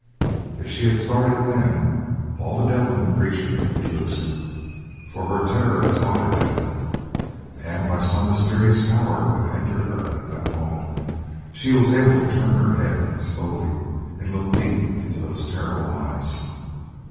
If she had started then, all the devil in the creature would be loosed, for her terror taught her that. And by some mysterious power that entered her at that moment she was able to turn her head, slowly, and look deep into those terrible eyes.